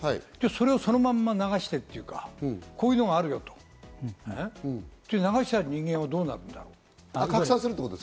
それをそのまま流してるとか、こういうのがあるよとか、流された人間はどうなるんだと。